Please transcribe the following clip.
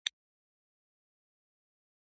د اعتماد فضا نه شته.